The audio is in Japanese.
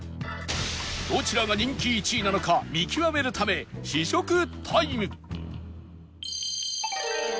どちらが人気１位なのか見極めるため試食タイム